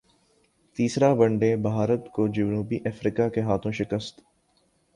تیسرا one day Bharat کو جنوبی افریقا کے ہاتھوں شکست